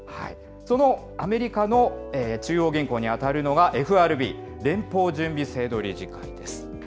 そのアメリカの中央銀行に当たるのが、ＦＲＢ・連邦準備制度理事会です。